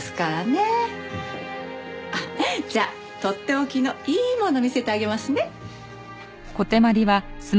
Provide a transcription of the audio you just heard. あっじゃあとっておきのいいもの見せてあげますね。